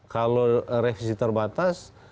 kalau revisi terbatas